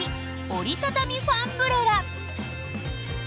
折りたたみファンブレラ。